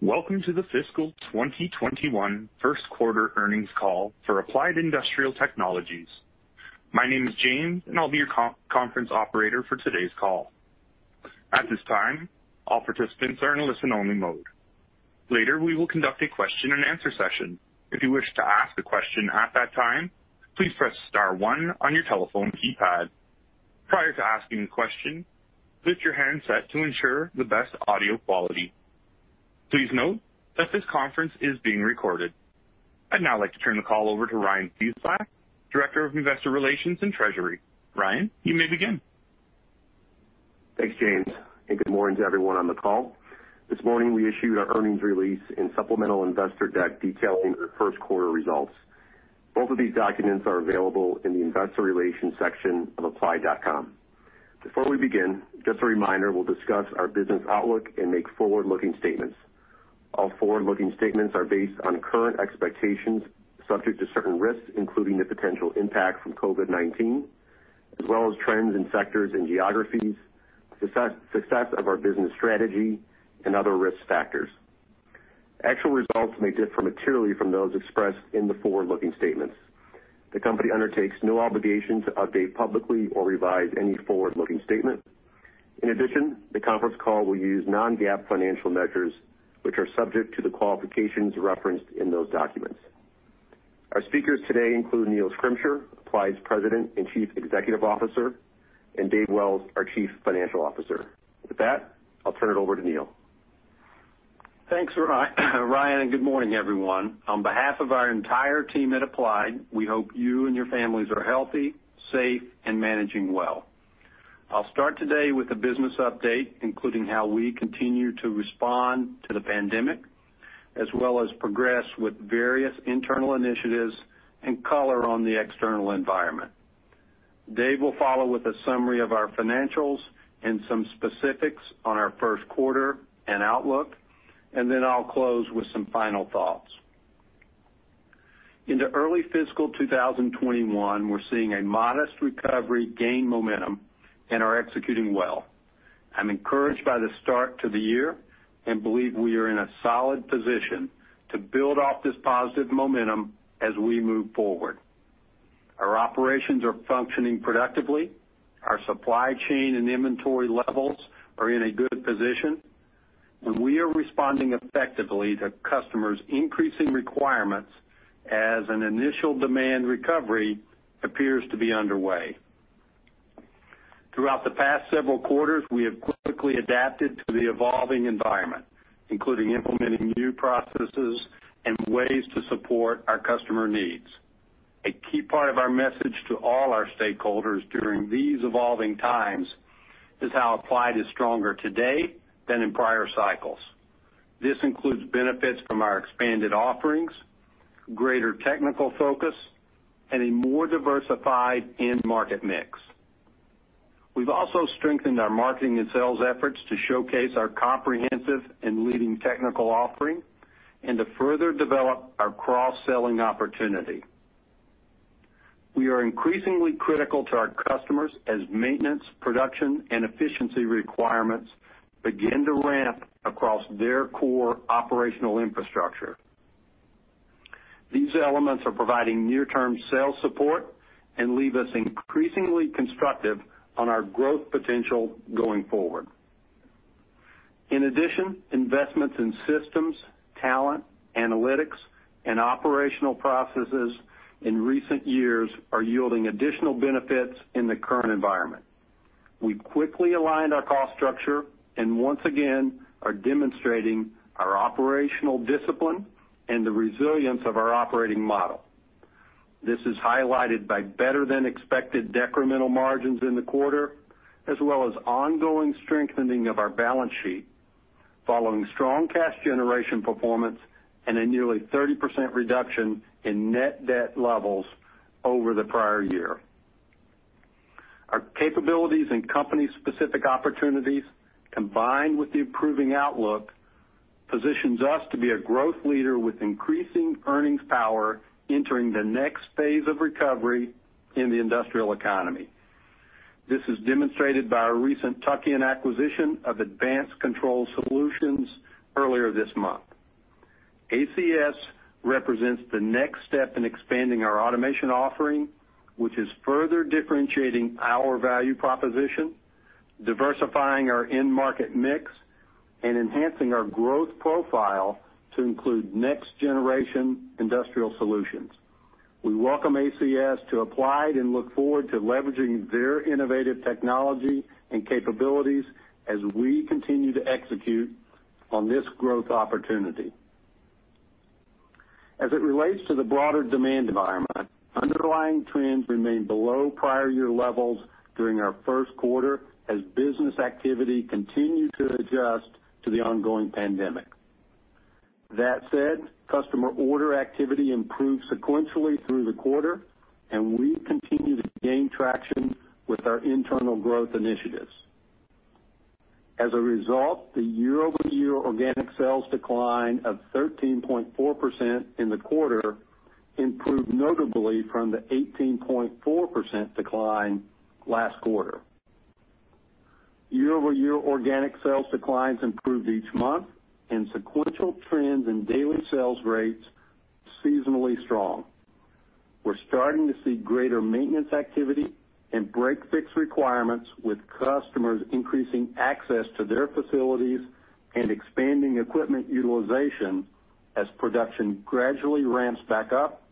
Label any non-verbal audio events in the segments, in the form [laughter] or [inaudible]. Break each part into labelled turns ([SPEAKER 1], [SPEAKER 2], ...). [SPEAKER 1] Welcome to the fiscal 2021 first quarter earnings call for Applied Industrial Technologies. My name is James, and I'll be your conference operator for today's call. At this time, all participants are in listen-only mode. Later, we will conduct a question-and-answer session. If you wish to ask a question at that time, please press star one on your telephone keypad. Prior to asking the question, mute your handset to ensure the best audio quality. Please note that this conference is being recorded. I'd now like to turn the call over to Ryan Cieslak, Director of Investor Relations and Treasury. Ryan, you may begin.
[SPEAKER 2] Thanks, James, and good morning to everyone on the call. This morning, we issued our earnings release and supplemental investor deck detailing our first quarter results. Both of these documents are available in the Investor Relations section of applied.com. Before we begin, just a reminder, we'll discuss our business outlook and make forward-looking statements. All forward-looking statements are based on current expectations subject to certain risks, including the potential impact from COVID-19, as well as trends in sectors and geographies, success of our business strategy, and other risk factors. Actual results may differ materially from those expressed in the forward-looking statements. The company undertakes no obligation to update publicly or revise any forward-looking statement. In addition, the conference call will use non-GAAP financial measures, which are subject to the qualifications referenced in those documents. Our speakers today include Neil Schrimsher, Applied's President and Chief Executive Officer, and Dave Wells, our Chief Financial Officer. With that, I'll turn it over to Neil.
[SPEAKER 3] Thanks, Ryan. Good morning, everyone. On behalf of our entire team at Applied, we hope you and your families are healthy, safe, and managing well. I'll start today with a business update, including how we continue to respond to the pandemic, as well as progress with various internal initiatives and color on the external environment. Dave will follow with a summary of our financials and some specifics on our first quarter and outlook. Then I'll close with some final thoughts. Into early fiscal 2021, we're seeing a modest recovery gain momentum and are executing well. I'm encouraged by the start to the year and believe we are in a solid position to build off this positive momentum as we move forward. Our operations are functioning productively. Our supply chain and inventory levels are in a good position, and we are responding effectively to customers' increasing requirements as an initial demand recovery appears to be underway. Throughout the past several quarters, we have quickly adapted to the evolving environment, including implementing new processes and ways to support our customer needs. A key part of our message to all our stakeholders during these evolving times is how Applied is stronger today than in prior cycles. This includes benefits from our expanded offerings, greater technical focus, and a more diversified end market mix. We've also strengthened our marketing and sales efforts to showcase our comprehensive and leading technical offering and to further develop our cross-selling opportunity. We are increasingly critical to our customers as maintenance, production, and efficiency requirements begin to ramp across their core operational infrastructure. These elements are providing near-term sales support and leave us increasingly constructive on our growth potential going forward. In addition, investments in systems, talent, analytics, and operational processes in recent years are yielding additional benefits in the current environment. We quickly aligned our cost structure and once again are demonstrating our operational discipline and the resilience of our operating model. This is highlighted by better than expected decremental margins in the quarter, as well as ongoing strengthening of our balance sheet following strong cash generation performance and a nearly 30% reduction in net debt levels over the prior year. Our capabilities and company-specific opportunities, combined with the improving outlook, positions us to be a growth leader with increasing earnings power entering the next phase of recovery in the industrial economy. This is demonstrated by our recent tuck-in acquisition of Advanced Control Solutions earlier this month. ACS represents the next step in expanding our Automation offering, which is further differentiating our value proposition, diversifying our end market mix, and enhancing our growth profile to include next-generation industrial solutions. We welcome ACS to Applied and look forward to leveraging their innovative technology and capabilities as we continue to execute on this growth opportunity. As it relates to the broader demand environment, underlying trends remained below prior year levels during our first quarter as business activity continued to adjust to the ongoing pandemic. That said, customer order activity improved sequentially through the quarter, and we continue to gain traction with our internal growth initiatives. As a result, the year-over-year organic sales decline of 13.4% in the quarter improved notably from the 18.4% decline last quarter. Year-over-year organic sales declines improved each month, and sequential trends in daily sales rates seasonally strong. We're starting to see greater maintenance activity and break-fix requirements with customers increasing access to their facilities and expanding equipment utilization as production gradually ramps back up,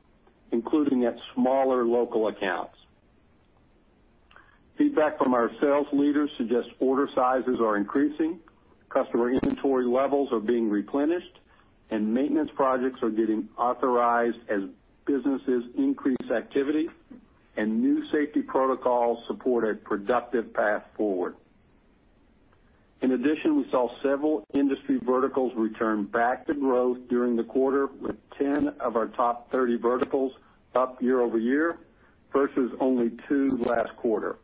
[SPEAKER 3] including at smaller local accounts. Feedback from our sales leaders suggest order sizes are increasing, customer inventory levels are being replenished, and maintenance projects are getting authorized as businesses increase activity, and new safety protocols support a productive path forward. In addition, we saw several industry verticals return back to growth during the quarter, with 10 of our top 30 verticals up year-over-year, versus only two last quarter.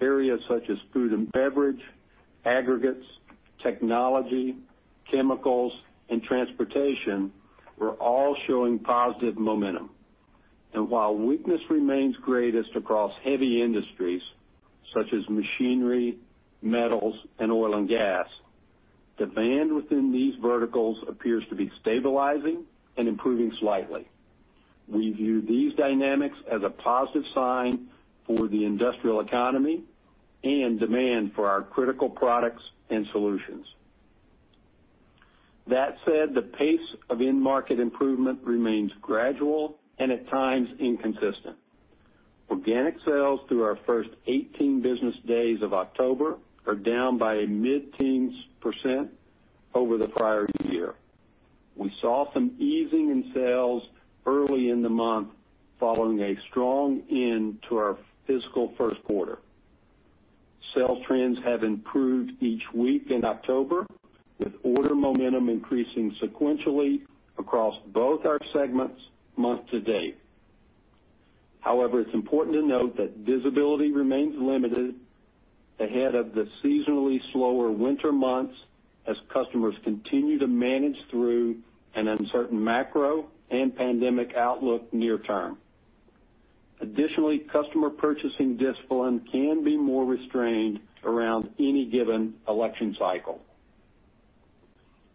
[SPEAKER 3] Areas such as food and beverage, aggregates, technology, chemicals, and transportation were all showing positive momentum. While weakness remains greatest across heavy industries such as machinery, metals, and oil and gas, demand within these verticals appears to be stabilizing and improving slightly. We view these dynamics as a positive sign for the industrial economy and demand for our critical products and solutions. That said, the pace of end market improvement remains gradual and at times inconsistent. Organic sales through our first 18 business days of October are down by a mid-teens percent over the prior year. We saw some easing in sales early in the month following a strong end to our fiscal first quarter. Sales trends have improved each week in October, with order momentum increasing sequentially across both our segments month to date. However, it's important to note that visibility remains limited ahead of the seasonally slower winter months as customers continue to manage through an uncertain macro and pandemic outlook near term. Additionally, customer purchasing discipline can be more restrained around any given election cycle.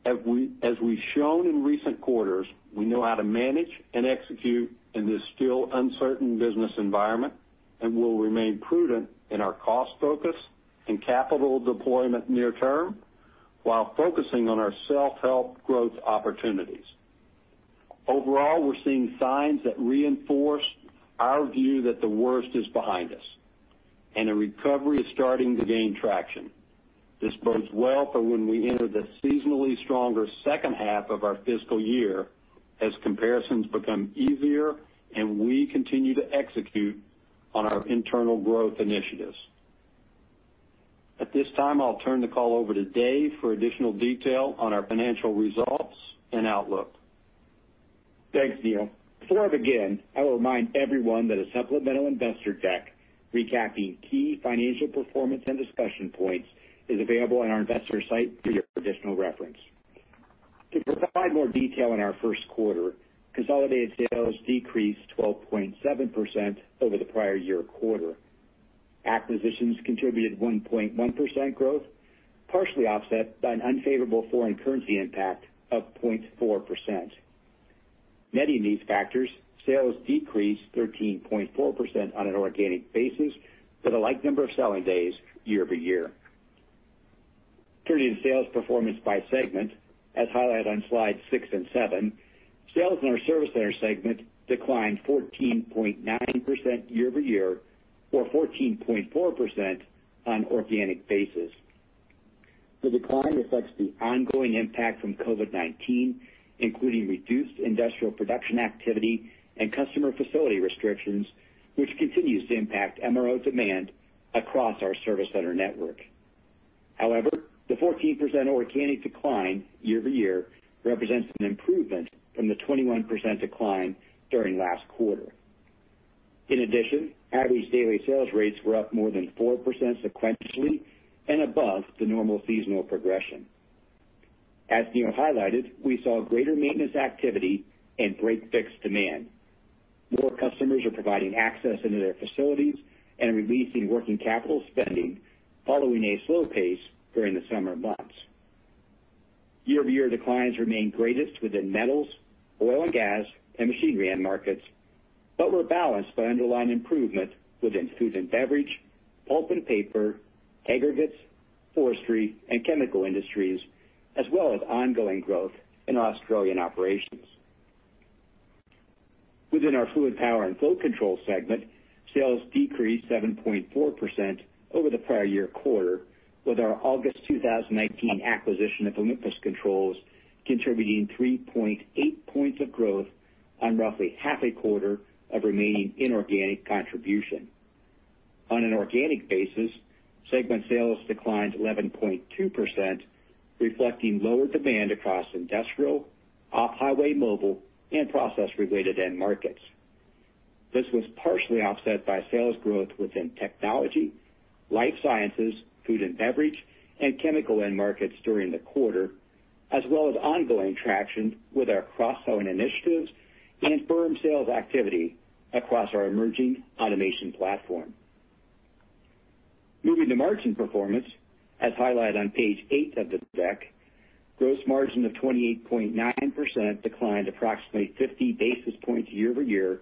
[SPEAKER 3] As we've shown in recent quarters, we know how to manage and execute in this still uncertain business environment and will remain prudent in our cost focus and capital deployment near term while focusing on our self-help growth opportunities. Overall, we're seeing signs that reinforce our view that the worst is behind us and a recovery is starting to gain traction. This bodes well for when we enter the seasonally stronger second half of our fiscal year as comparisons become easier and we continue to execute on our internal growth initiatives. At this time, I'll turn the call over to Dave for additional detail on our financial results and outlook.
[SPEAKER 4] Thanks, Neil. Before I begin, I will remind everyone that a supplemental investor deck recapping key financial performance and discussion points is available on our investor site for your additional reference. To provide more detail on our first quarter, consolidated sales decreased 12.7% over the prior year quarter. Acquisitions contributed 1.1% growth, partially offset by an unfavorable foreign currency impact of 0.4%. Netting these factors, sales decreased 13.4% on an organic basis with a like number of selling days year-over-year. Turning to sales performance by segment, as highlighted on slides six and seven, sales in our Service Center segment declined 14.9% year-over-year or 14.4% on organic basis. The decline reflects the ongoing impact from COVID-19, including reduced industrial production activity and customer facility restrictions, which continues to impact MRO demand across our Service Center network. The 14% organic decline year-over-year represents an improvement from the 21% decline during last quarter. Average daily sales rates were up more than 4% sequentially and above the normal seasonal progression. As Neil highlighted, we saw greater maintenance activity and break-fix demand. More customers are providing access into their facilities and releasing working capital spending following a slow pace during the summer months. Year-over-year declines remain greatest within metals, oil and gas, and machinery end markets, but were balanced by underlying improvement within food and beverage, pulp and paper, aggregates, forestry, and chemical industries, as well as ongoing growth in Australian operations. Within our Fluid Power & Flow Control segment, sales decreased 7.4% over the prior year quarter with our August 2019 acquisition of Olympus Controls contributing 3.8 points of growth on roughly half a quarter of remaining inorganic contribution. On an organic basis, segment sales declined 11.2%, reflecting lower demand across industrial, off-highway mobile, and process-related end markets. This was partially offset by sales growth within technology, life sciences, food and beverage, and chemical end markets during the quarter. As well as ongoing traction with our cross-selling initiatives and firm sales activity across our emerging Automation platform. Moving to margin performance, as highlighted on page eight of the deck, gross margin of 28.9% declined approximately 50 basis points year-over-year,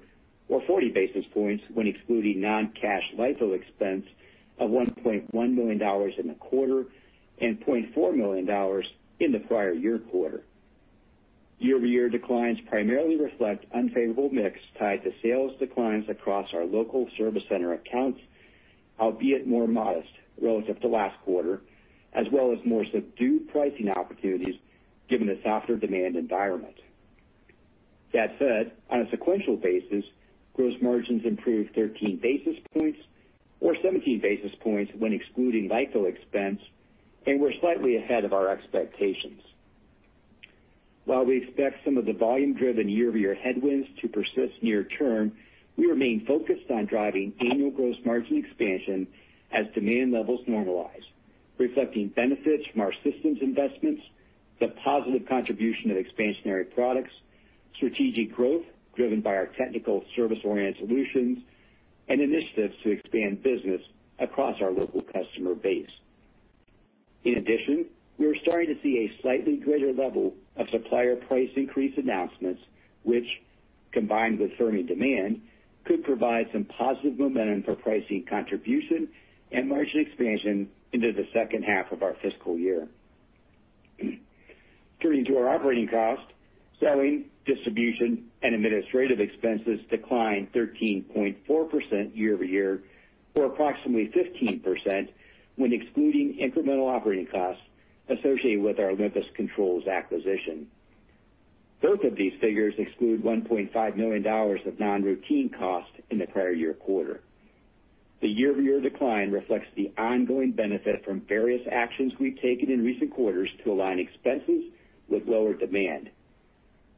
[SPEAKER 4] or 40 basis points when excluding non-cash LIFO expense of $1.1 million in the quarter and $0.4 million in the prior year quarter. Year-over-year declines primarily reflect unfavorable mix tied to sales declines across our local Service Center accounts, albeit more modest relative to last quarter, as well as more subdued pricing opportunities given the softer demand environment. That said, on a sequential basis, gross margins improved 13 basis points or 17 basis points when excluding LIFO expense, and were slightly ahead of our expectations. While we expect some of the volume-driven year-over-year headwinds to persist near term, we remain focused on driving annual gross margin expansion as demand levels normalize, reflecting benefits from our systems investments, the positive contribution of expansionary products, strategic growth driven by our technical service-oriented solutions, and initiatives to expand business across our local customer base. In addition, we are starting to see a slightly greater level of supplier price increase announcements, which, combined with firming demand, could provide some positive momentum for pricing contribution and margin expansion into the second half of our fiscal year. Turning to our operating cost, Selling, distribution, and administrative expenses declined 13.4% year-over-year, or approximately 15% when excluding incremental operating costs associated with our Olympus Controls acquisition. Both of these figures exclude $1.5 million of non-routine costs in the prior year quarter. The year-over-year decline reflects the ongoing benefit from various actions we've taken in recent quarters to align expenses with lower demand.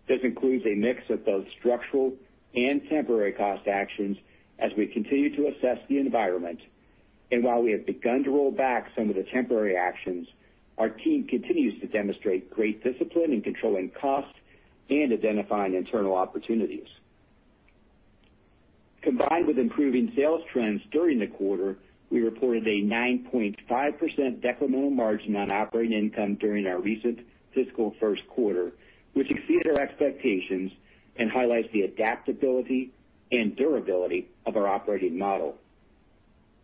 [SPEAKER 4] This includes a mix of both structural and temporary cost actions as we continue to assess the environment. While we have begun to roll back some of the temporary actions, our team continues to demonstrate great discipline in controlling costs and identifying internal opportunities. Combined with improving sales trends during the quarter, we reported a 9.5% decremental margin on operating income during our recent fiscal first quarter, which exceeded our expectations and highlights the adaptability and durability of our operating model.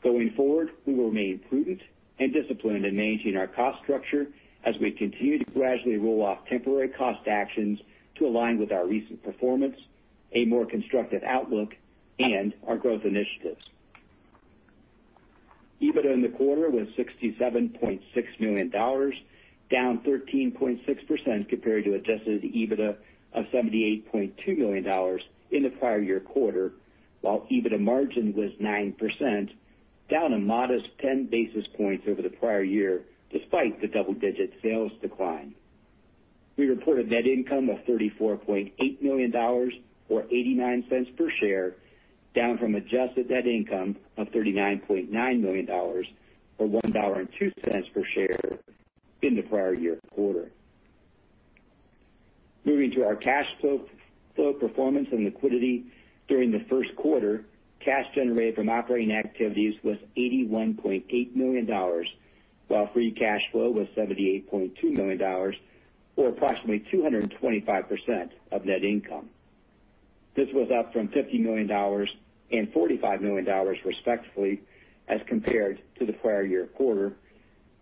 [SPEAKER 4] Going forward, we will remain prudent and disciplined in managing our cost structure as we continue to gradually roll off temporary cost actions to align with our recent performance, a more constructive outlook, and our growth initiatives. EBITDA in the quarter was $67.6 million, down 13.6% compared to adjusted EBITDA of $78.2 million in the prior year quarter, while EBITDA margin was 9%, down a modest 10 basis points over the prior year, despite the double-digit sales decline. We reported net income of $34.8 million, or $0.89 per share, down from adjusted net income of $39.9 million, or $1.02 per share, in the prior year quarter. Moving to our cash flow performance and liquidity during the first quarter, cash generated from operating activities was $81.8 million, while free cash flow was $78.2 million, or approximately 225% of net income. This was up from $50 million and $45 million respectively, as compared to the prior year quarter,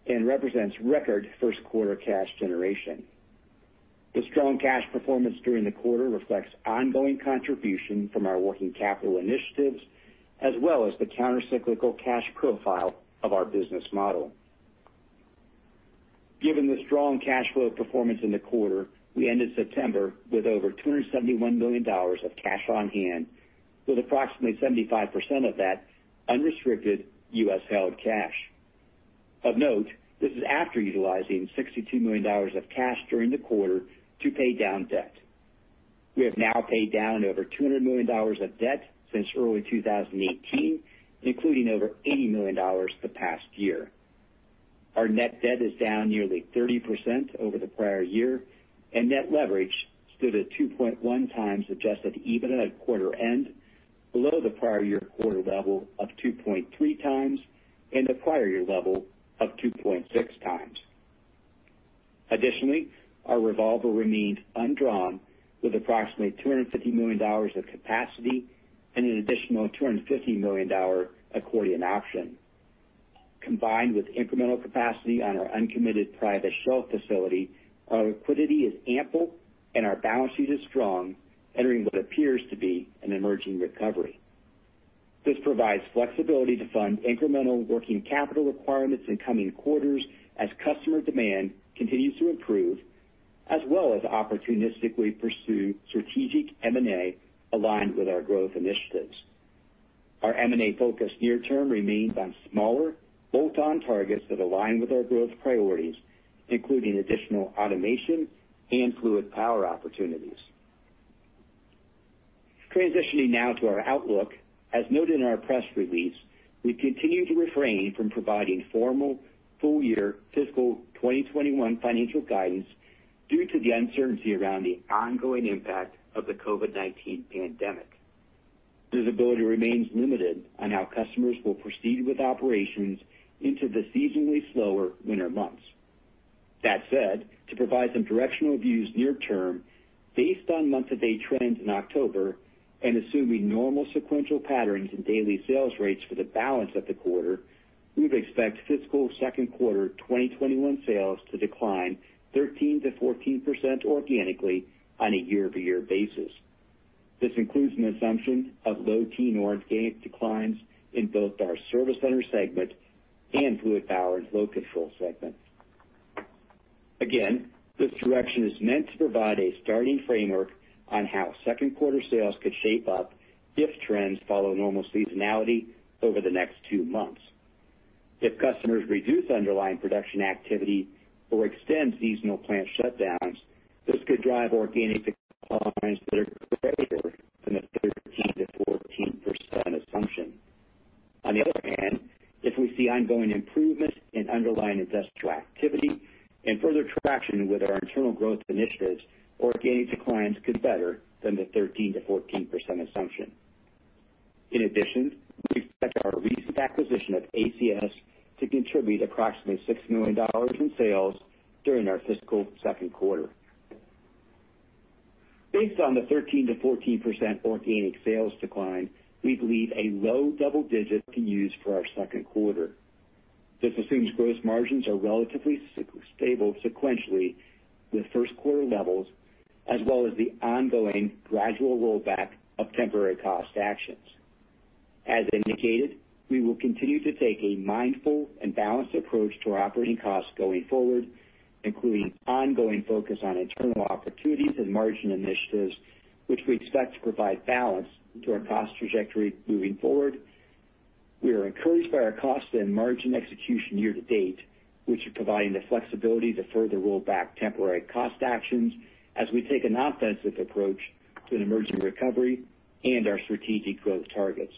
[SPEAKER 4] and represents record first quarter cash generation. The strong cash performance during the quarter reflects ongoing contribution from our working capital initiatives, as well as the countercyclical cash profile of our business model. Given the strong cash flow performance in the quarter, we ended September with over $271 million of cash on hand, with approximately 75% of that unrestricted U.S. held cash. Of note, this is after utilizing $62 million of cash during the quarter to pay down debt. We have now paid down over $200 million of debt since early 2018, including over $80 million the past year. Our net debt is down nearly 30% over the prior year, and net leverage stood at 2.1x adjusted EBITDA at quarter end, below the prior year quarter level of 2.3x and the prior year level of 2.6x. Additionally, our revolver remained undrawn with approximately $250 million of capacity and an additional $250 million accordion option. Combined with incremental capacity on our uncommitted private shelf facility, our liquidity is ample and our balance sheet is strong, entering what appears to be an emerging recovery. This provides flexibility to fund incremental working capital requirements in coming quarters as customer demand continues to improve, as well as opportunistically pursue strategic M&A aligned with our growth initiatives. Our M&A focus near term remains on smaller bolt-on targets that align with our growth priorities, including additional Automation and Fluid Power opportunities. Transitioning now to our outlook. As noted in our press release, we continue to refrain from providing formal full-year fiscal 2021 financial guidance due to the uncertainty around the ongoing impact of the COVID-19 pandemic. Visibility remains limited on how customers will proceed with operations into the seasonally slower winter months. That said, to provide some directional views near term, based on month-to-date trends in October and assuming normal sequential patterns in daily sales rates for the balance of the quarter, we would expect fiscal second quarter 2021 sales to decline 13% to 14% organically on a year-over-year basis. This includes an assumption of low-teen organic declines in both our Service Center segment and Fluid Power & Flow Control segment. Again, this direction is meant to provide a starting framework on how second quarter sales could shape up if trends follow normal seasonality over the next two months. If customers reduce underlying production activity or extend seasonal plant shutdowns, this could drive organic declines that are greater than the 13% to 14% assumption. On the other hand, if we see ongoing improvement in underlying industrial activity and further traction with our internal growth initiatives, organic declines could be better than the 13% to 14% assumption. In addition, we expect our recent acquisition of ACS to contribute approximately $6 million in sales during our fiscal second quarter. Based on the 13% to 14% organic sales decline, we believe a low double-digit can be used for our second quarter. This assumes gross margins are relatively stable sequentially with first quarter levels, as well as the ongoing gradual rollback of temporary cost actions. As indicated, we will continue to take a mindful and balanced approach to our operating costs going forward, including ongoing focus on internal opportunities and margin initiatives, which we expect to provide balance to our cost trajectory moving forward. We are encouraged by our cost and margin execution year-to-date, which is providing the flexibility to further roll back temporary cost actions as we take an offensive approach to an emerging recovery and our strategic growth targets.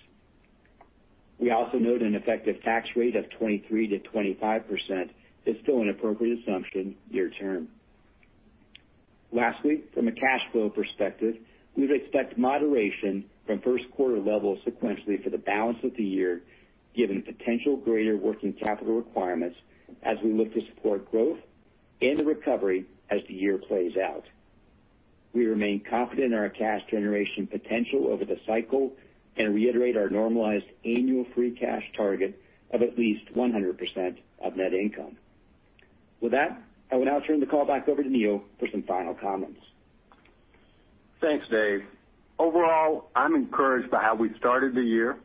[SPEAKER 4] We also note an effective tax rate of 23%-25% is still an appropriate assumption near term. Lastly, from a cash flow perspective, we would expect moderation from first quarter levels sequentially for the balance of the year, given potential greater working capital requirements as we look to support growth and the recovery as the year plays out. We remain confident in our cash generation potential over the cycle and reiterate our normalized annual free cash target of at least 100% of net income. With that, I will now turn the call back over to Neil for some final comments.
[SPEAKER 3] Thanks, Dave. Overall, I'm encouraged by how we started the year.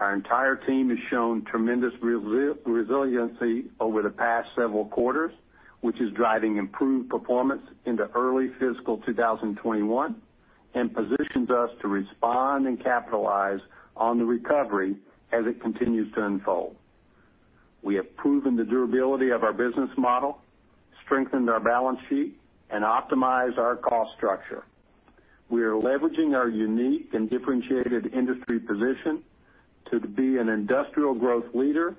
[SPEAKER 3] Our entire team has shown tremendous resiliency over the past several quarters, which is driving improved performance into early fiscal 2021 and positions us to respond and capitalize on the recovery as it continues to unfold. We have proven the durability of our business model, strengthened our balance sheet, and optimized our cost structure. We are leveraging our unique and differentiated industry position to be an industrial growth leader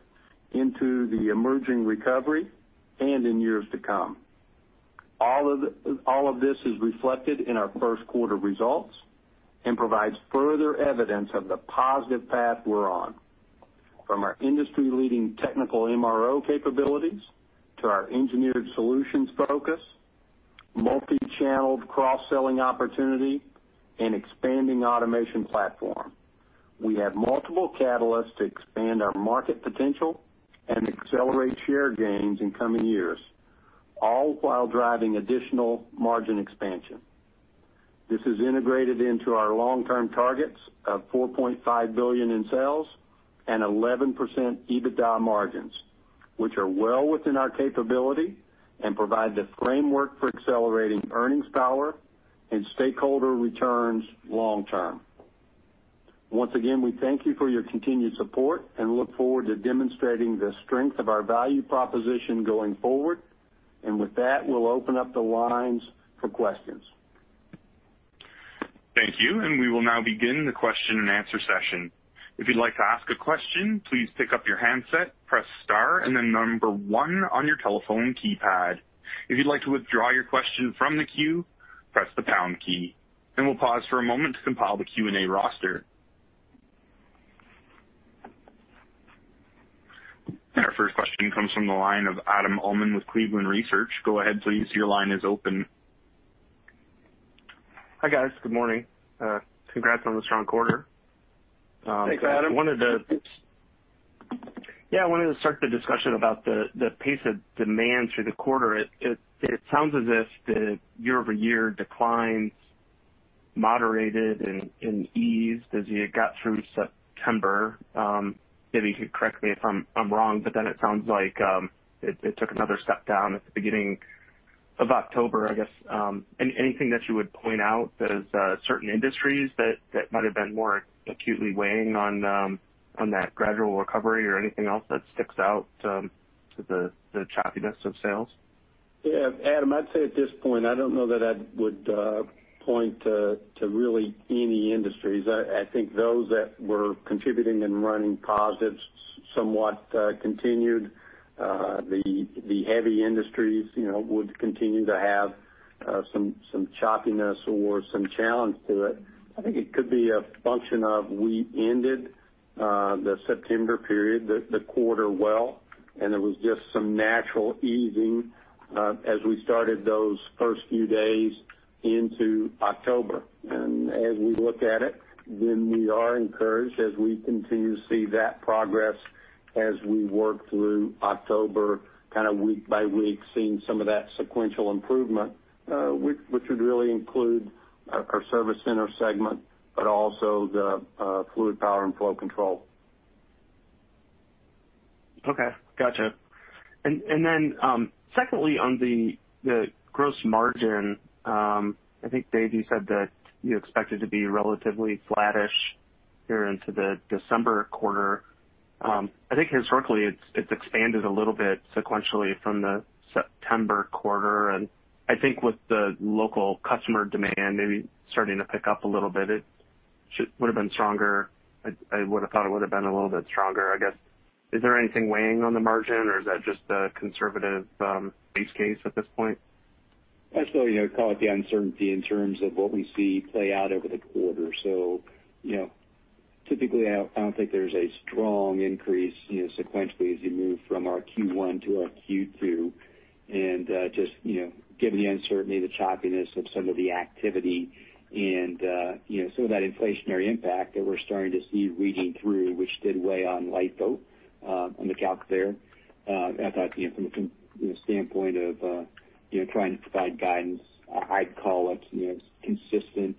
[SPEAKER 3] into the emerging recovery and in years to come. All of this is reflected in our first quarter results and provides further evidence of the positive path we're on. From our industry-leading technical MRO capabilities to our engineered solutions focus, multi-channeled cross-selling opportunity, and expanding Automation platform, we have multiple catalysts to expand our market potential and accelerate share gains in coming years, all while driving additional margin expansion. This is integrated into our long-term targets of $4.5 billion in sales and 11% EBITDA margins, which are well within our capability and provide the framework for accelerating earnings power and stakeholder returns long term. Once again, we thank you for your continued support and look forward to demonstrating the strength of our value proposition going forward. With that, we'll open up the lines for questions.
[SPEAKER 1] Thank you. We will now begin the question-and-answer session. If you'd like to ask a question, please pick up your handset, press star, and then one on your telephone keypad. If you'd like to withdraw your question from the queue, press the pound key. We'll pause for a moment to compile the Q&A roster. Our first question comes from the line of Adam Uhlman with Cleveland Research. Go ahead please. Your line is open.
[SPEAKER 5] Hi, guys. Good morning. Congrats on the strong quarter.
[SPEAKER 3] Thanks, Adam.
[SPEAKER 5] Yeah, I wanted to start the discussion about the pace of demand through the quarter. It sounds as if the year-over-year declines moderated and eased as you got through September. Maybe you could correct me if I'm wrong, but then it sounds like it took another step down at the beginning of October. I guess, anything that you would point out that is certain industries that might have been more acutely weighing on that gradual recovery or anything else that sticks out to the choppiness of sales?
[SPEAKER 3] Yeah, Adam, I'd say at this point, I don't know that I would point to really any industries. I think those that were contributing and running positives somewhat continued. The heavy industries would continue to have some choppiness or some challenge to it. I think it could be a function of we ended the September period, the quarter well, there was just some natural easing as we started those first few days into October. As we look at it, we are encouraged as we continue to see that progress as we work through October kind of week by week, seeing some of that sequential improvement, which would really include our Service Center segment, but also the Fluid Power & Flow Control.
[SPEAKER 5] Okay. Gotcha. Secondly, on the gross margin, I think, Dave, you said that you expect it to be relatively flattish here into the December quarter. I think historically it's expanded a little bit sequentially from the September quarter, and I think with the local customer demand maybe starting to pick up a little bit, it would've been stronger. I would've thought it would've been a little bit stronger, I guess. Is there anything weighing on the margin or is that just a conservative base case at this point?
[SPEAKER 4] I'd still call it the uncertainty in terms of what we see play out over the quarter. Typically, I don't think there's a strong increase sequentially as you move from our Q1 to our Q2, and just given the uncertainty, the choppiness of some of the activity and some of that inflationary impact that we're starting to see reading through, which did weigh on LIFO on the calc there. I thought from a standpoint of trying to provide guidance, I'd call it consistent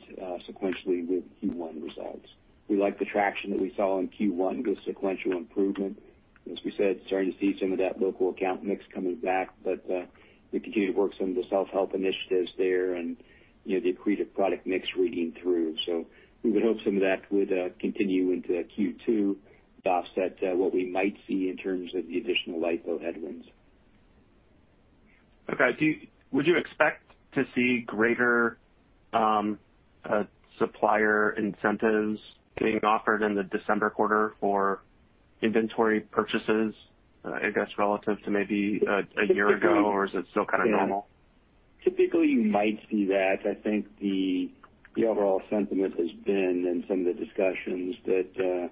[SPEAKER 4] sequentially with Q1 results. We like the traction that we saw in Q1, good sequential improvement. As we said, starting to see some of that local account mix coming back. We continue to work some of the self-help initiatives there and the accretive product mix reading through. We would hope some of that would continue into Q2 to offset what we might see in terms of the additional LIFO headwinds.
[SPEAKER 5] Okay. Would you expect to see greater supplier incentives being offered in the December quarter for inventory purchases, I guess, relative to maybe a year ago? Is it still kind of normal?
[SPEAKER 4] Typically, you might see that. I think the overall sentiment has been in some of the discussions that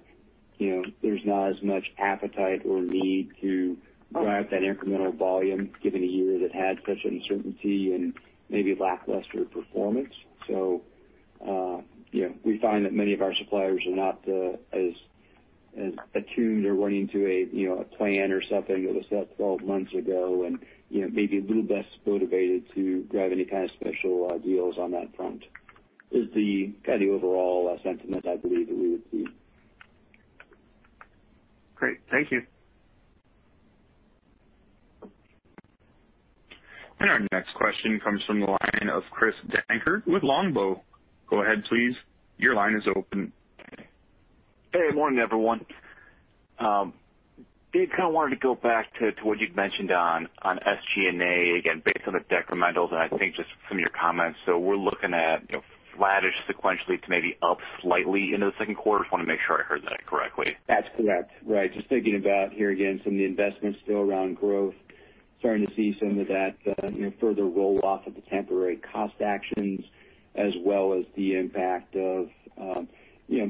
[SPEAKER 4] there's not as much appetite or need to drive that incremental volume given a year that had such uncertainty and maybe lackluster performance. We find that many of our suppliers are not as attuned or running to a plan or something that was set 12 months ago and maybe a little less motivated to drive any kind of special deals on that front is the kind of overall sentiment I believe that we would see.
[SPEAKER 5] Great. Thank you.
[SPEAKER 1] Our next question comes from the line of Chris Dankert with Longbow. Go ahead, please. Your line is open.
[SPEAKER 6] Hey, good morning everyone. Dave, kind of wanted to go back to what you'd mentioned on SG&A, again, based on the decrementals and I think just some of your comments. We're looking at flattish sequentially to maybe up slightly into the second quarter. Just want to make sure I heard that correctly.
[SPEAKER 4] That's correct. Right. Just thinking about here again, some of the investments still around growth, starting to see some of that further roll-off of the temporary cost actions as well as the impact of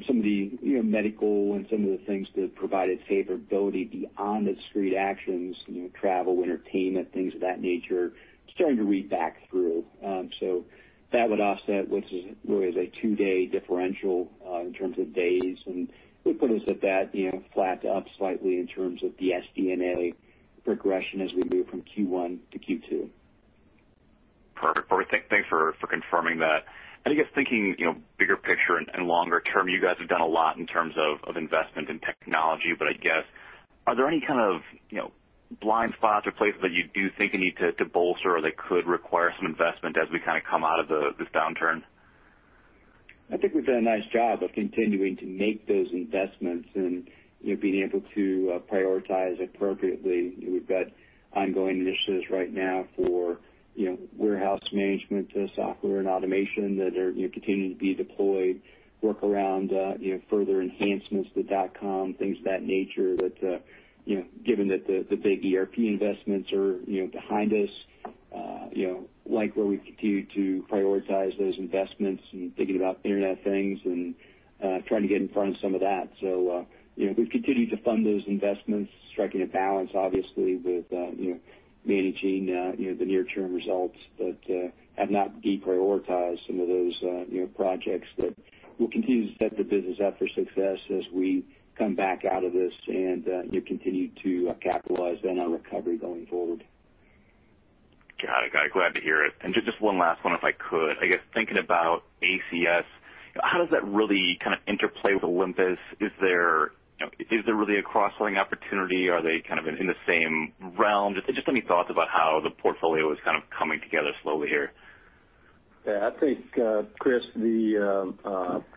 [SPEAKER 4] some of the medical and some of the things that provided favorability beyond the discrete actions, travel, entertainment, things of that nature starting to read back through. That would offset what is a two-day differential in terms of days, and would put us at that flat to up slightly in terms of the SG&A progression as we move from Q1 to Q2.
[SPEAKER 6] Perfect. Thanks for confirming that. I guess thinking bigger picture and longer term, you guys have done a lot in terms of investment in technology, but I guess, are there any kind of blind spots or places that you do think you need to bolster or that could require some investment as we kind of come out of this downturn?
[SPEAKER 4] I think we've done a nice job of continuing to make those investments and being able to prioritize appropriately. We've got ongoing initiatives right now for warehouse management software and automation that are continuing to be deployed, work around further enhancements to dotcom, things of that nature that given that the big ERP investments are behind us, like where we've continued to prioritize those investments and thinking about Internet of Things and trying to get in front of some of that. We've continued to fund those investments, striking a balance obviously with managing the near-term results but have not deprioritized some of those projects that will continue to set the business up for success as we come back out of this and continue to capitalize on our recovery going forward.
[SPEAKER 6] Got it. Glad to hear it. Just one last one if I could. I guess thinking about ACS, how does that really kind of interplay with Olympus? Is there really a cross-selling opportunity? Are they kind of in the same realm? Just any thoughts about how the portfolio is kind of coming together slowly here?
[SPEAKER 3] Yeah, I think, Chris, the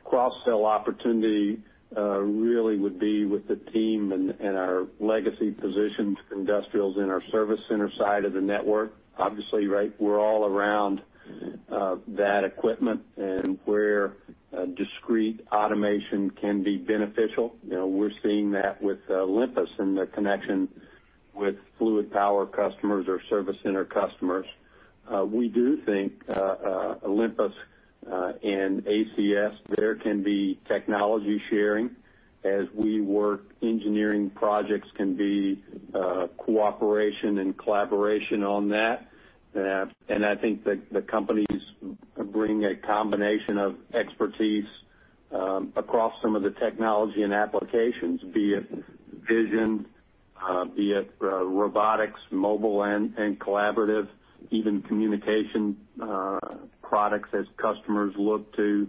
[SPEAKER 3] cross-sell opportunity really would be with the team and our legacy positions, industrials in our Service Center side of the network. Obviously, we're all around that equipment and where discrete automation can be beneficial. We're seeing that with Olympus and the connection with Fluid Power customers or Service Center customers. We do think Olympus and ACS, there can be technology sharing as we work engineering projects can be cooperation and collaboration on that. I think the companies bring a combination of expertise across some of the technology and applications, be it vision, be it robotics, mobile and collaborative, even communication products as customers look to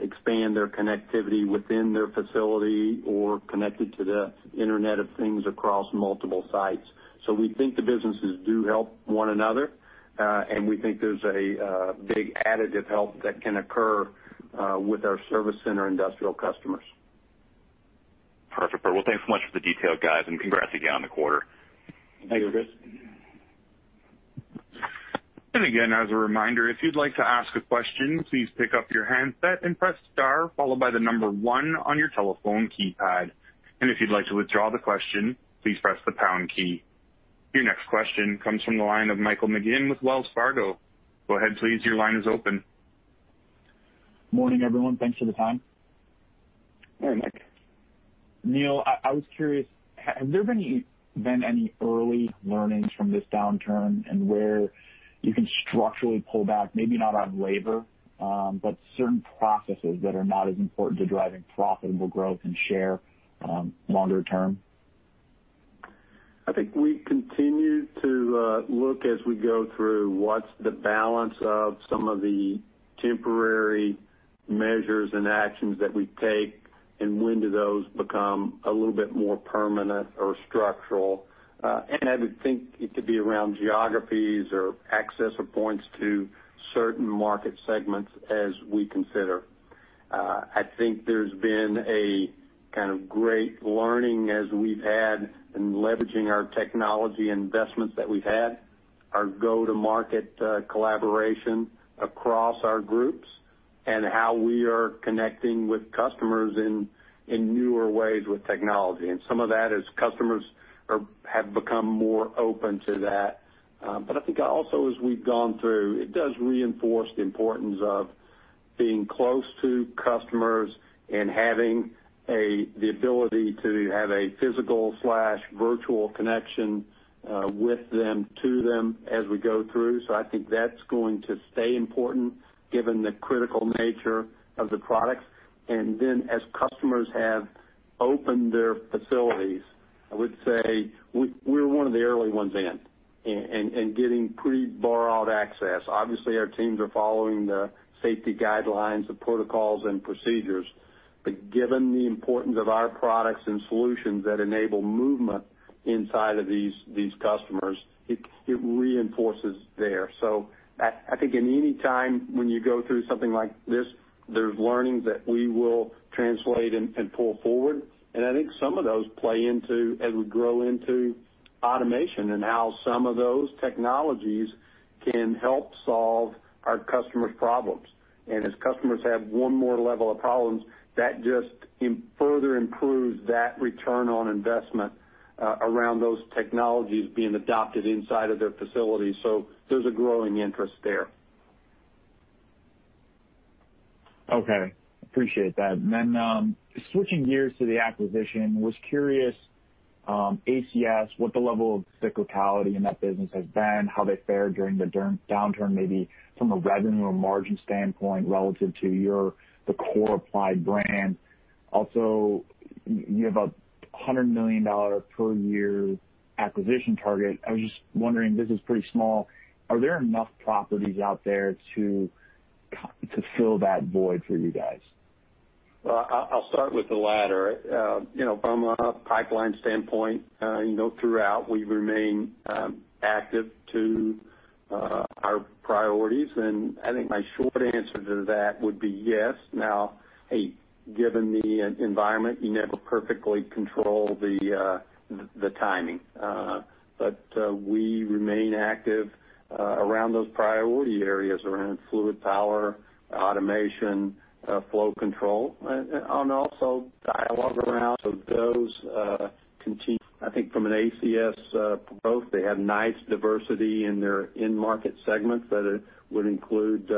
[SPEAKER 3] expand their connectivity within their facility or connected to the Internet of Things across multiple sites. We think the businesses do help one another, and we think there's a big additive help that can occur with our Service Center industrial customers.
[SPEAKER 6] Perfect. Well, thanks so much for the detail, guys, and congrats again on the quarter.
[SPEAKER 3] Thank you, Chris.
[SPEAKER 1] Again, as a reminder, if you'd like to ask a question, please pick up your handset and press star followed by the number one on your telephone keypad. If you'd like to withdraw the question, please press the pound key. Your next question comes from the line of Michael McGinn with Wells Fargo.
[SPEAKER 7] Morning, everyone. Thanks for the time.
[SPEAKER 3] Morning, Mike.
[SPEAKER 7] Neil, I was curious, have there been any early learnings from this downturn and where you can structurally pull back, maybe not on labor, but certain processes that are not as important to driving profitable growth and share longer term?
[SPEAKER 3] I think we continue to look as we go through what's the balance of some of the temporary measures and actions that we take and when do those become a little bit more permanent or structural. I would think it could be around geographies or access points to certain market segments as we consider. I think there's been a kind of great learning as we've had in leveraging our technology investments that we've had, our go-to-market collaboration across our Groups, and how we are connecting with customers in newer ways with technology. Some of that is customers have become more open to that. I think also as we've gone through, it does reinforce the importance of being close to customers and having the ability to have a physical/virtual connection with them, to them as we go through. I think that's going to stay important given the critical nature of the products. As customers have opened their facilities, I would say we're one of the early ones in, and getting pre-borrowed access. Obviously, our teams are following the safety guidelines, the protocols, and procedures. Given the importance of our products and solutions that enable movement inside of these customers, it reinforces there. I think in any time when you go through something like this, there's learnings that we will translate and pull forward. I think some of those play into as we grow into Automation and how some of those technologies can help solve our customers' problems. As customers have one more level of problems, that just further improves that return on investment around those technologies being adopted inside of their facilities. There's a growing interest there.
[SPEAKER 7] Okay. Appreciate that. Then switching gears to the acquisition, was curious, ACS, what the level of cyclicality in that business has been, how they fared during the downturn, maybe from a revenue or margin standpoint relative to the core Applied brand. Also, you have a $100 million per year acquisition target. I was just wondering, this is pretty small. Are there enough properties out there to fill that void for you guys?
[SPEAKER 3] Well, I'll start with the latter. From a pipeline standpoint, throughout, we remain active to our priorities, and I think my short answer to that would be yes. Now, given the environment, you never perfectly control the timing. We remain active around those priority areas, around Fluid Power, Automation, Flow Control, and also dialogue around those continue. I think from an ACS growth, they have nice diversity in their end market segments that would include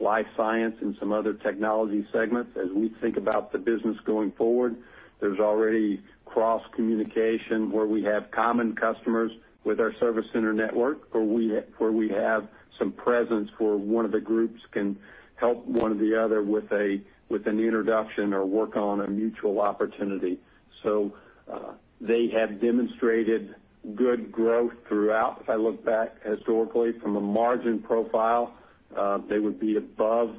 [SPEAKER 3] life science and some other technology segments. As we think about the business going forward, there's already cross-communication where we have common customers with our Service Center network, where we have some presence where one of the Groups can help one or the other with an introduction or work on a mutual opportunity. They have demonstrated good growth throughout. If I look back historically from a margin profile, they would be above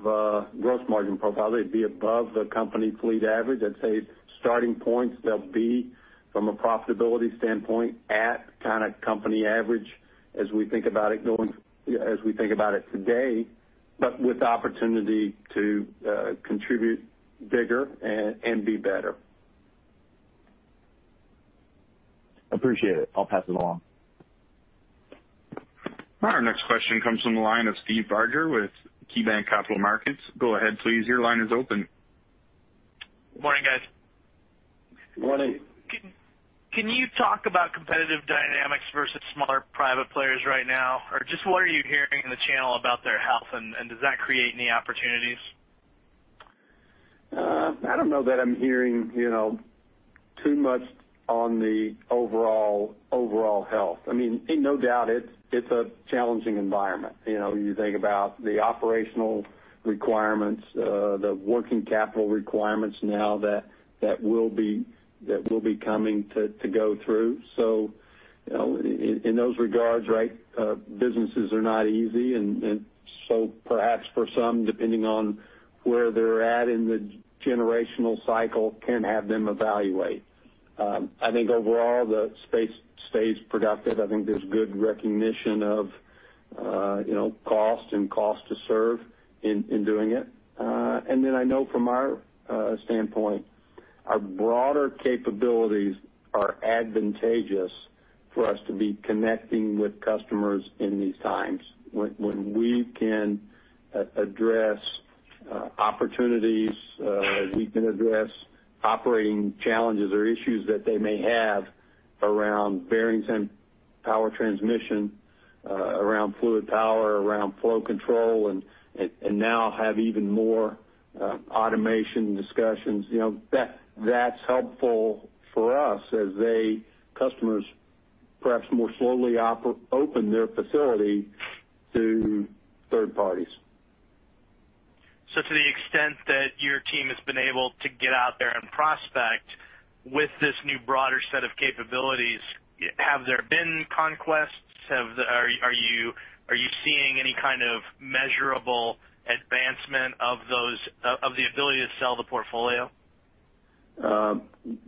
[SPEAKER 3] gross margin profile. They'd be above the company fleet average. I'd say starting points, they'll be from a profitability standpoint at kind of company average as we think about it today, with opportunity to contribute bigger and be better.
[SPEAKER 7] Appreciate it. I'll pass it along.
[SPEAKER 1] Our next question comes from the line of Steve Barger with KeyBanc Capital Markets. Go ahead please. Your line is open.
[SPEAKER 8] Good morning, guys.
[SPEAKER 3] Good morning.
[SPEAKER 8] Can you talk about competitive dynamics versus smaller private players right now? Just what are you hearing in the channel about their health, and does that create any opportunities?
[SPEAKER 3] I don't know that I'm hearing too much on the overall health. No doubt, it's a challenging environment. You think about the operational requirements, the working capital requirements now that will be coming to go through. In those regards, right? Businesses are not easy, and so perhaps for some, depending on where they're at in the generational cycle, can have them evaluate. I think overall, the space stays productive. I think there's good recognition of cost and cost to serve in doing it. I know from our standpoint, our broader capabilities are advantageous for us to be connecting with customers in these times. When we can address opportunities, we can address operating challenges or issues that they may have around bearings and power transmission, around Fluid Power, around Flow Control, and now have even more Automation discussions. That's helpful for us as they, customers, perhaps more slowly open their facility to third parties.
[SPEAKER 8] To the extent that your team has been able to get out there and prospect with this new broader set of capabilities, have there been conquests? Are you seeing any kind of measurable advancement of the ability to sell the portfolio?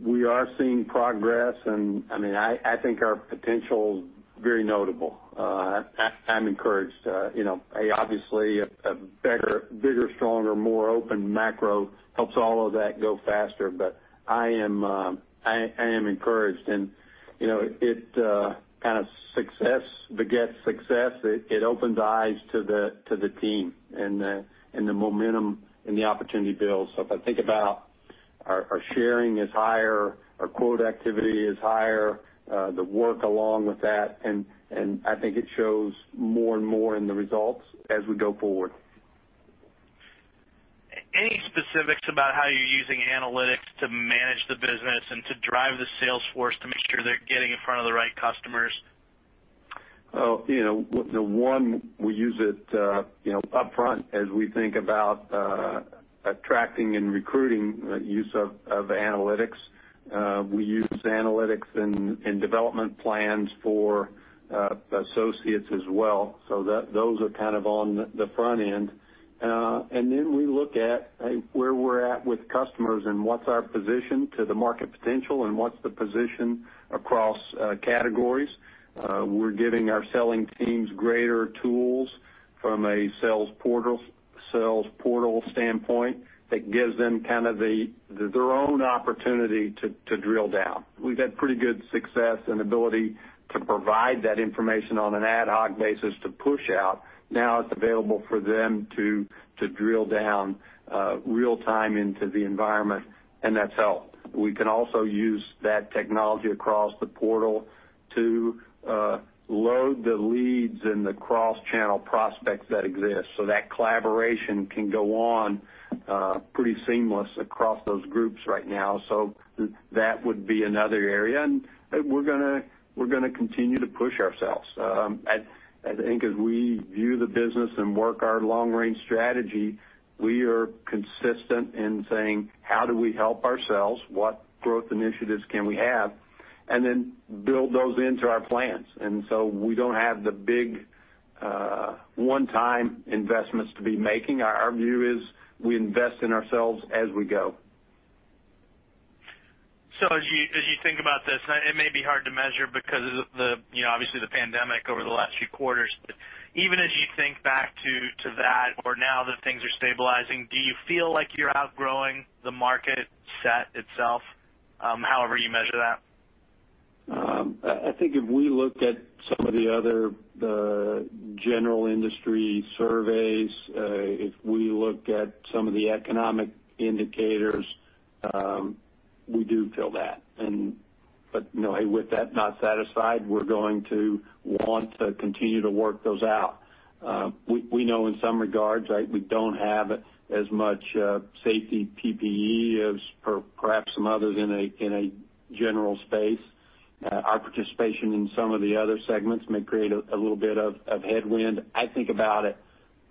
[SPEAKER 3] We are seeing progress, and I think our potential very notable. I'm encouraged. Obviously, a bigger, stronger, more open macro helps all of that go faster, but I am encouraged. Kind of success begets success. It opens eyes to the team, and the momentum, and the opportunity builds. If I think about our sharing is higher, our quote activity is higher, the work along with that, and I think it shows more and more in the results as we go forward.
[SPEAKER 8] Any specifics about how you're using analytics to manage the business and to drive the sales force to make sure they're getting in front of the right customers?
[SPEAKER 3] One, we use it upfront as we think about attracting and recruiting use of analytics. We use analytics in development plans for associates as well, so those are kind of on the front end. Then we look at where we're at with customers and what's our position to the market potential, and what's the position across categories. We're giving our selling teams greater tools from a sales portal standpoint that gives them kind of their own opportunity to drill down. We've had pretty good success and ability to provide that information on an ad hoc basis to push out. Now it's available for them to drill down real time into the environment, and that's helped. We can also use that technology across the portal to load the leads and the cross-channel prospects that exist, so that collaboration can go on pretty seamless across those Groups right now. That would be another area. We're going to continue to push ourselves. I think as we view the business and work our long-range strategy, we are consistent in saying, how do we help ourselves? What growth initiatives can we have? Then build those into our plans. We don't have the big one-time investments to be making. Our view is we invest in ourselves as we go.
[SPEAKER 8] As you think about this, and it may be hard to measure because of obviously the pandemic over the last few quarters. Even as you think back to that or now that things are stabilizing, do you feel like you're outgrowing the market set itself, however you measure that?
[SPEAKER 3] I think if we looked at some of the other general industry surveys, if we looked at some of the economic indicators, we do feel that. With that not satisfied, we're going to want to continue to work those out. We know in some regards, we don't have as much safety PPE as perhaps some others in a general space. Our participation in some of the other segments may create a little bit of headwind. I think about it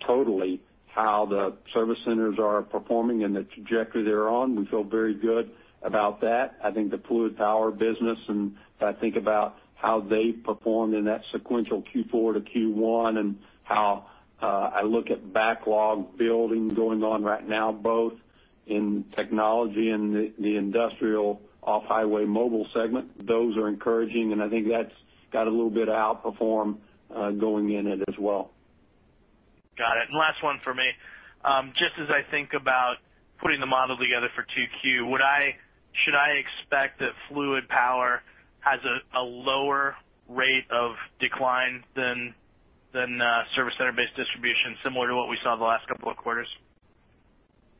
[SPEAKER 3] totally how the Service Centers are performing and the trajectory they're on. We feel very good about that. I think the Fluid Power business, and I think about how they performed in that sequential Q4 to Q1, and how I look at backlog building going on right now, both in technology and the industrial off-highway mobile segment. Those are encouraging and I think that's got a little bit of outperform going in it as well.
[SPEAKER 8] Got it. Last one for me. Just as I think about putting the model together for 2Q, should I expect that Fluid Power has a lower rate of decline than Service Center-based distribution similar to what we saw the last couple of quarters?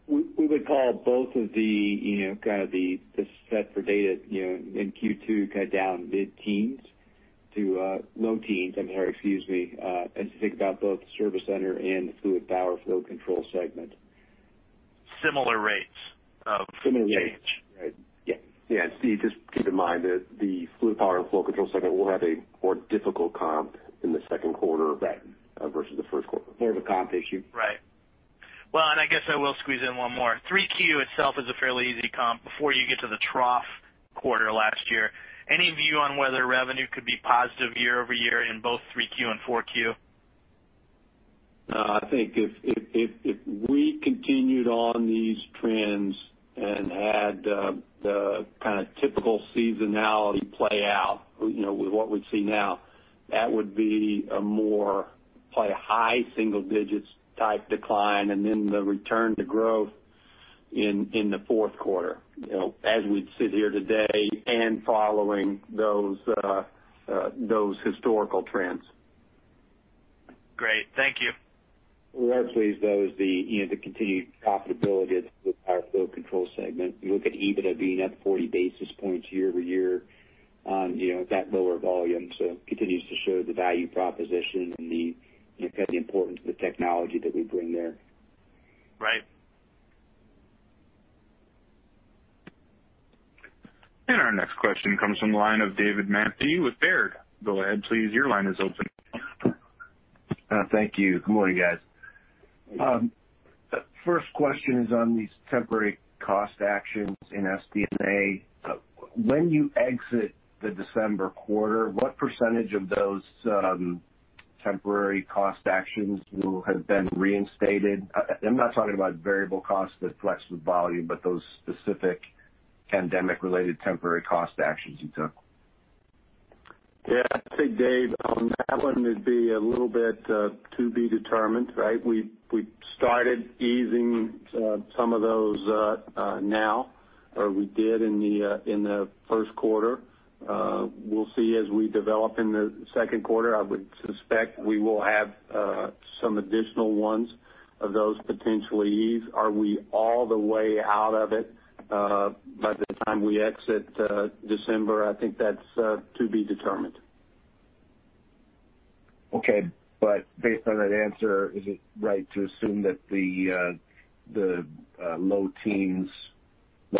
[SPEAKER 3] We would call both of the [set for data] in Q2 down mid-teens to low-teens, as you think about both the Service Center and the Fluid Power & Flow Control segment. I'm sorry, excuse me.
[SPEAKER 8] Similar rates of change.
[SPEAKER 3] Similar rates, right. Yeah.
[SPEAKER 4] Yeah, Steve, just keep in mind that the Fluid Power & Flow Control segment will have a more difficult comp in the second quarter versus the first quarter.
[SPEAKER 3] More of a comp issue.
[SPEAKER 8] Right. Well, I guess I will squeeze in one more. 3Q itself is a fairly easy comp before you get to the trough quarter last year. Any view on whether revenue could be positive year-over-year in both 3Q and 4Q?
[SPEAKER 3] I think if we continued on these trends and had the kind of typical seasonality play out with what we see now, that would be a more probably a high single digits type decline, and then the return to growth in the fourth quarter as we sit here today and following those historical trends.
[SPEAKER 8] Great. Thank you.
[SPEAKER 4] We're pleased though is the continued profitability of the Fluid Power & Flow Control segment. You look at EBITDA being up 40 basis points year-over-year on that lower volume. Continues to show the value proposition and the kind of the importance of the technology that we bring there.
[SPEAKER 8] Right.
[SPEAKER 1] Our next question comes from the line of David Manthey with Baird. Go ahead, please. Your line is open.
[SPEAKER 9] Thank you. Good morning, guys. First question is on these temporary cost actions in SG&A. When you exit the December quarter, what percentage of those temporary cost actions will have been reinstated? I'm not talking about variable costs that flex with volume, but those specific pandemic-related temporary cost actions you took.
[SPEAKER 4] Yeah, I think, Dave, on that one, it'd be a little bit to be determined, right? We started easing some of those now, or we did in the first quarter. We'll see as we develop in the second quarter. I would suspect we will have some additional ones of those potentially ease. Are we all the way out of it by the time we exit December? I think that's to be determined.
[SPEAKER 9] Okay. Based on that answer, is it right to assume that the low-teens,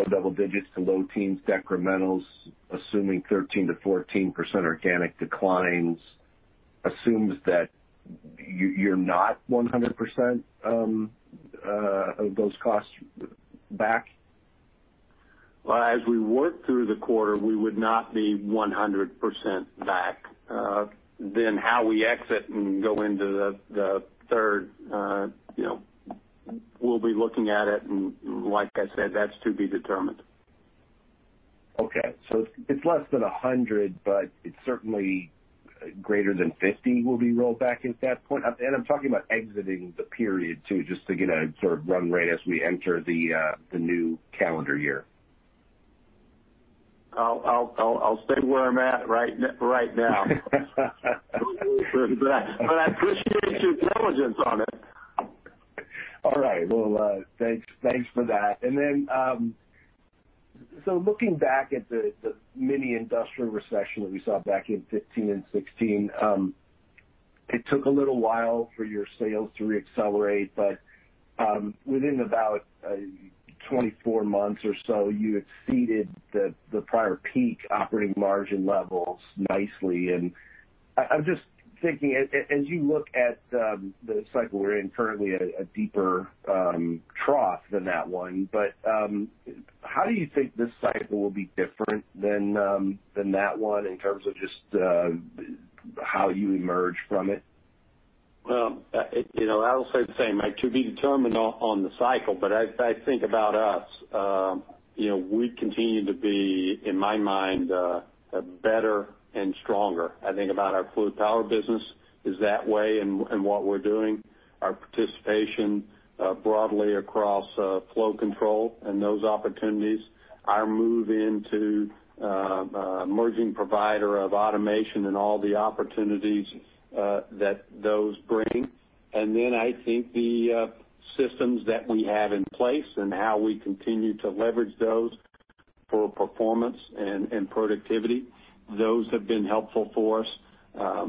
[SPEAKER 9] double-digits to low-teens decrementals, assuming 13% to 14% organic declines assumes that you're not 100% of those costs back?
[SPEAKER 4] Well, as we work through the quarter, we would not be 100% back. How we exit and go into the third, we'll be looking at it, and like I said, that's to be determined.
[SPEAKER 9] Okay. It's less than 100%, but it's certainly greater than 50% will be rolled back at that point? I'm talking about exiting the period, too, just to get a sort of run rate as we enter the new calendar year.
[SPEAKER 4] I'll stay where I'm at right now. I appreciate your diligence on it.
[SPEAKER 9] All right. Well, thanks for that. Looking back at the mini industrial recession that we saw back in 2015 and 2016, it took a little while for your sales to re-accelerate, but within about 24 months or so, you exceeded the prior peak operating margin levels nicely. I'm just thinking, as you look at the cycle we're in currently at a deeper trough than that one, how do you think this cycle will be different than that one in terms of just how you emerge from it?
[SPEAKER 3] Well, I will say the same. To be determined on the cycle. As I think about us, we continue to be, in my mind, better and stronger. I think about our Fluid Power business is that way and what we're doing, our participation broadly across Flow Control and those opportunities, our move into emerging provider of Automation and all the opportunities that those bring. I think the systems that we have in place and how we continue to leverage those for performance and productivity, those have been helpful for us.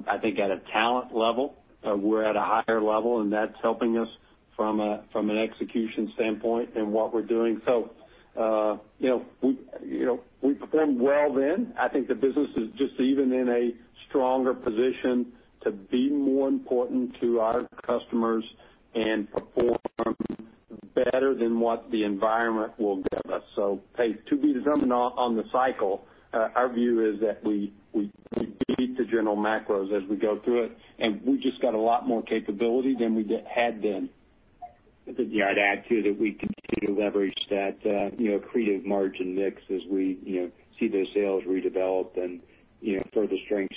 [SPEAKER 3] I think at a talent level, we're at a higher level, and that's helping us from an execution standpoint in what we're doing. We performed well then. I think the business is just even in a stronger position to be more important to our customers and perform better than what the environment will give us. To be determined on the cycle, our view is that we beat the general macros as we go through it, and we just got a lot more capability than we had then.
[SPEAKER 4] Yeah, I'd add, too, that we continue to leverage that accretive margin mix as we see those sales redevelop and further strengths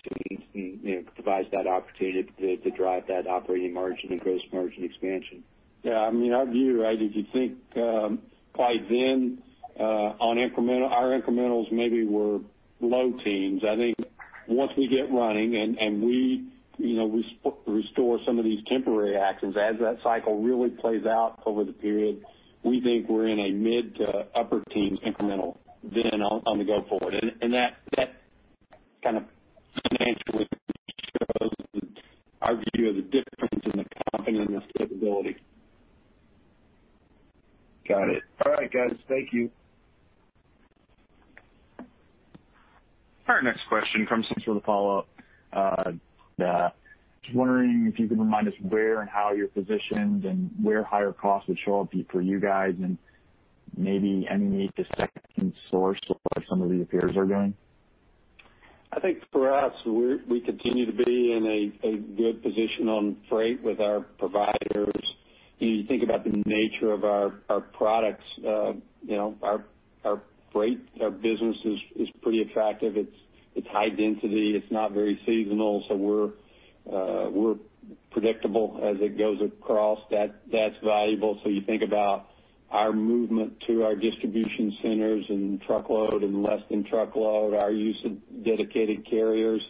[SPEAKER 4] and provide that opportunity to drive that operating margin and gross margin expansion.
[SPEAKER 3] Yeah. Our view, if you think Applied then on incremental—our incrementals maybe were low-teens. I think once we get running and we restore some of these temporary actions as that cycle really plays out over the period, we think we're in a mid to upper teens incremental then on the go forward. That financially shows our view of the difference in [the company and the capability].
[SPEAKER 9] Got it. All right, guys. Thank you.
[SPEAKER 1] Our next question comes from [the line of Michael McGinn with Wells Fargo. Go ahead, please. Your line is open].
[SPEAKER 7] Thanks for the follow-up. Just wondering if you can remind us where and how you're positioned and where higher costs would show up for you guys and maybe any need to second source or some of the peers are doing?
[SPEAKER 3] I think for us, we continue to be in a good position on freight with our providers. You think about the nature of our products our freight, our business is pretty attractive. It's high density. It's not very seasonal, so we're predictable as it goes across. That's valuable. You think about our movement to our distribution centers and truckload and less than truckload, our use of dedicated carriers,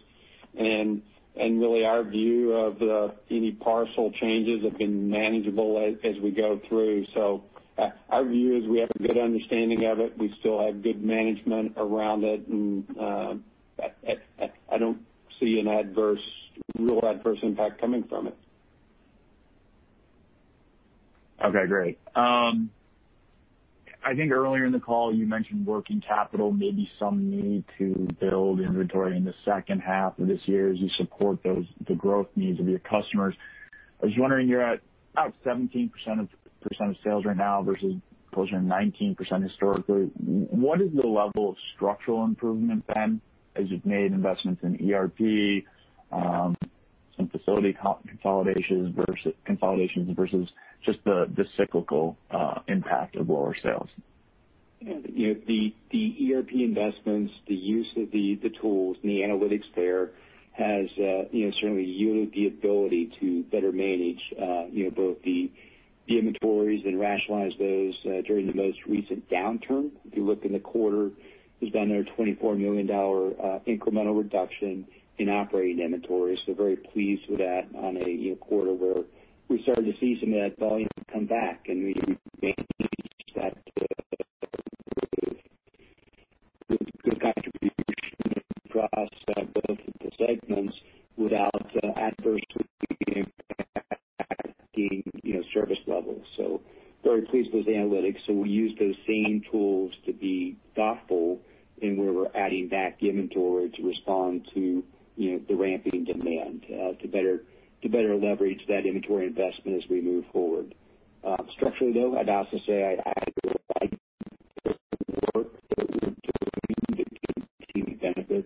[SPEAKER 3] and really our view of any parcel changes have been manageable as we go through. Our view is we have a good understanding of it. We still have good management around it, and I don't see a real adverse impact coming from it.
[SPEAKER 7] Okay, great. I think earlier in the call, you mentioned working capital, maybe some need to build inventory in the second half of this year as you support the growth needs of your customers. I was wondering, you're at 17% of sales right now versus closer to 19% historically. What is the level of structural improvement then as you've made investments in ERP, some facility consolidations versus just the cyclical impact of lower sales?
[SPEAKER 4] The ERP investments, the use of the tools and the analytics there has certainly yielded the ability to better manage both the inventories and rationalize those during the most recent downturn. If you look in the quarter, there's been a $24 million incremental reduction in operating inventories. Very pleased with that on a quarter where we started to see some of that volume come back and we [audio distortion] across both of the segments without [audio distortion] service levels. Very pleased with analytics. We use those same tools to be thoughtful in where we're adding back inventory to respond to the ramping demand to better leverage that inventory investment as we move forward. Structurally, though, I'd also say I got it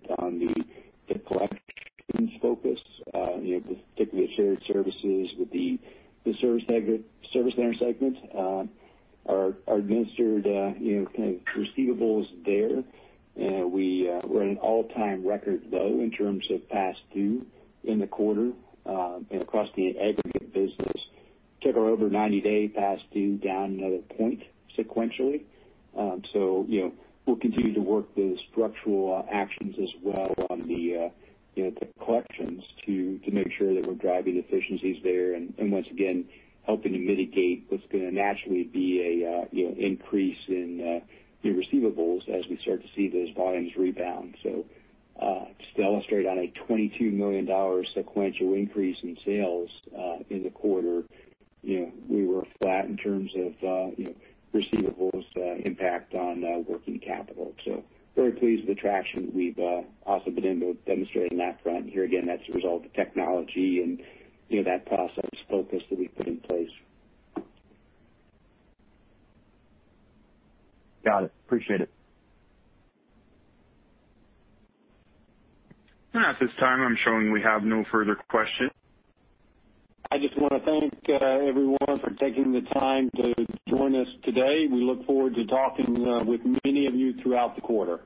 [SPEAKER 4] [audio distortion] collection's focus, particularly the shared services with the Service Center segment. Our administered kind of receivables there. We're at an all-time record, though, in terms of past due in the quarter across the aggregate business. It took over 90 days past due down another point sequentially. So we'll continue to work the structural actions as well on the collections to make sure that we're driving efficiencies there and once again, helping to mitigate what's going to naturally be an increase in new receivables as we start to see those volumes rebound. So to demonstrate on a $22 million sequential increase in sales in the quarter, we were flat in terms of receivables' impact on working capital. So very pleased with the traction that we've also been able to demonstrated in that front. And here, again, that's a result of technology and that process focus that we put in place.
[SPEAKER 7] Got it. Appreciate it.
[SPEAKER 1] At this time, I'm showing we have no further questions.
[SPEAKER 3] I just want to thank everyone for taking the time to join us today. We look forward to talking with many of you throughout the quarter.